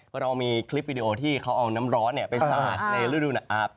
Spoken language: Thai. ก็เรามีคลิปวีดีโอที่เขาเอาน้ำร้อนเนี่ยไปสระในฤดูณอัพ